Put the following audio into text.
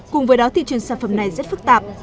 cùng với đó thị trường sản phẩm này rất phức tạp